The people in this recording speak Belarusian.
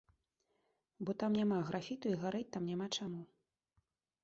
Бо там няма графіту і гарэць там няма чаму.